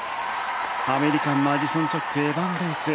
アメリカマディソン・チョックエヴァン・ベイツ。